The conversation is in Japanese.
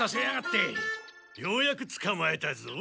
ようやくつかまえたぞ。